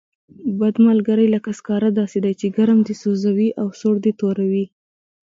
بد ملګری لکه سکاره داسې دی، چې ګرم دې سوځوي او سوړ دې توروي.